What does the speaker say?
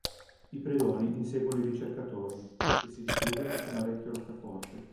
I predoni inseguono i ricercatori, che si rifugiano su una vecchia roccaforte.